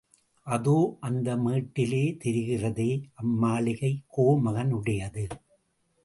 அதோ அந்த மேட்டிலே தெரிகிறதே அம்மாளிகை.... கோமகனுடையது.